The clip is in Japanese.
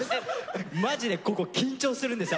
マジでここ緊張するんですよ